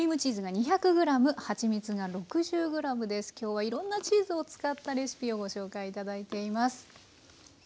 今日はいろんなチーズを使ったレシピをご紹介頂いています。